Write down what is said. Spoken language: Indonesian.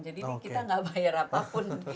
jadi kita nggak bayar apapun